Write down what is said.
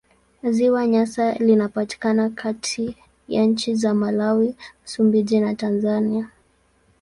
Ziwa Nyasa linapatikana kati ya nchi za Malawi, Msumbiji na Tanzania.